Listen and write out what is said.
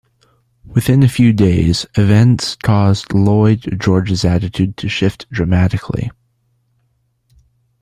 Within a few days, events caused Lloyd George's attitude to shift dramatically.